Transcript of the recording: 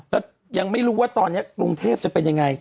แล้วยังไม่รู้ว่าตอนนี้กรุงเทพจะเป็นยังไง